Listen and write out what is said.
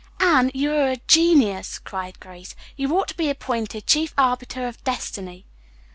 "Anne, you're a genius!" cried Grace. "You ought to be appointed Chief Arbiter of Destiny."